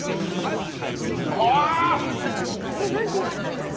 何て言われたんですか？